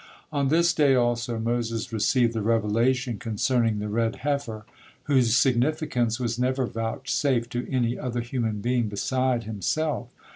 On this day, also, Moses received the revelation concerning the red heifer, whose significance was never vouchsafed to any other human being beside himself.